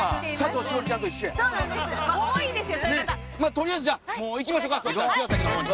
取りあえずじゃあもう行きましょうか茅ヶ崎の方に。